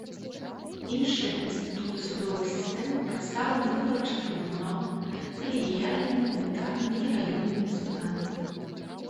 Іншыя інстытуты судовай сістэмы прадстаўлены выбарчым трыбуналам, калегіяльнымі, унітарнымі і раённымі судамі.